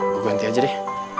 gue ganti aja deh